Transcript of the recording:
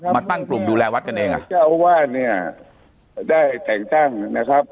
มาตั้งกลุ่มดูแลวัดกันเองอ่ะเจ้าอาวาสเนี่ยได้แต่งตั้งนะครับ